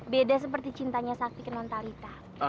beda seperti cintanya sakti kenon talitha